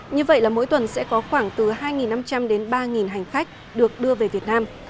như vậy là mỗi tuần sẽ có khoảng từ hai năm trăm linh đến ba hành khách được đưa về việt nam